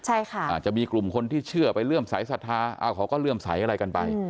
อาจจะมีกลุ่มคนที่เชื่อไปเรื่องใสสัทธาอ้าวเขาก็เรื่องใสอะไรกันไป